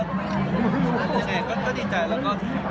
โอเคก็ดีใจแล้วก็